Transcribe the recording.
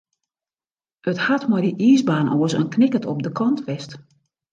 It hat mei dy iisbaan oars in knikkert op de kant west.